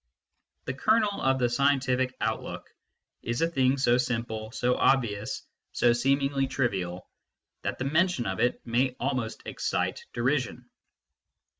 The kernel of the scientific outlook is a thing so simple, so obvious, so seemingly trivial, that the mention of it may almost excite derision.